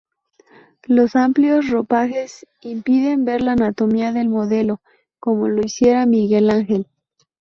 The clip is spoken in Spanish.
Los amplios ropajes impiden ver la anatomía del modelo, como lo hiciera Miguel Ángel.